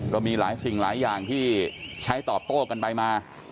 ก็มีหลายสิ่งหลายอย่างที่ใช้ตอบโต้กันไปมา